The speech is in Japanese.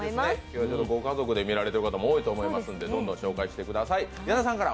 今日はご家族で見られている方も多いと思いますので、どんどん紹介してください。